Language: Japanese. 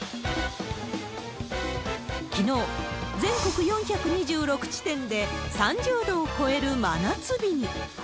きのう、全国４２６地点で３０度を超える真夏日に。